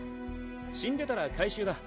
死んでたら回収だ。